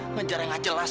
ngejar yang nggak jelas